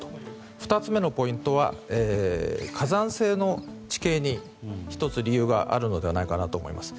２つ目のポイントは火山性の地形に１つ、理由があるのではないかなと思います。